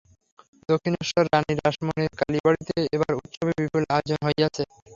দক্ষিণেশ্বরে রাণী রাসমণির কালীবাড়ীতে এবার উৎসবের বিপুল আয়োজন হইয়াছে।